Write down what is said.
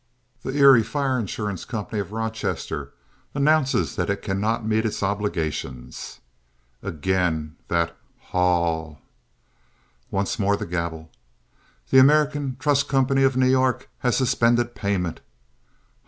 "The Erie Fire Insurance Company of Rochester announces that it cannot meet its obligations." Again that "H a a a w!" Once more the gavel. "The American Trust Company of New York has suspended payment."